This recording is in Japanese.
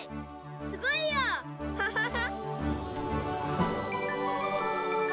すごいよ！ハハハ。